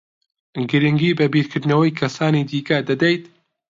گرنگی بە بیرکردنەوەی کەسانی دیکە دەدەیت؟